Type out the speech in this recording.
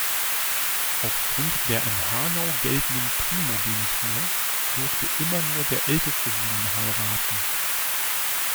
Aufgrund der in Hanau geltenden Primogenitur durfte immer nur der älteste Sohn heiraten.